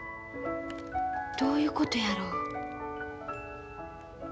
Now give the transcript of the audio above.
どういうことやろ。